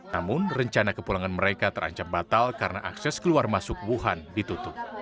namun rencana kepulangan mereka terancam batal karena akses keluar masuk wuhan ditutup